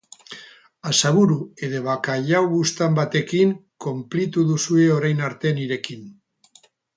Azaburu edo bakailao buztan batekin konplitu duzue orain arte nirekin.